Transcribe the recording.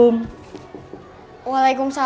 mas suha terima kasih